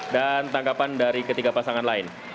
dan tanggapan dari ketiga pasangan lain